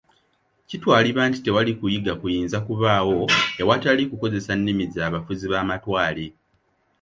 Kitwalibwa nti tewali kuyiga kuyinza kubaawo ewatali kukozesa nnimi za bafuzi ba matwale.